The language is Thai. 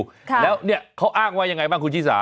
ค่ะแล้วเนี่ยเขาอ้างว่ายังไงบ้างคุณชิสา